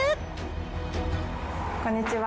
こんにちは。